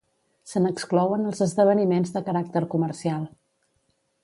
Se n'exclouen els esdeveniments de caràcter comercial.